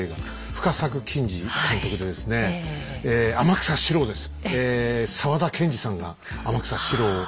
深作欣二監督でですね天草四郎です。